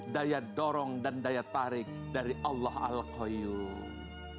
daya dorong dan daya tarik dari allah al qayyum